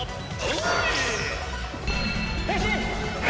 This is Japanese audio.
変身！